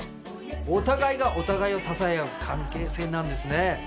お互いがお互いを支え合う関係性なんですね。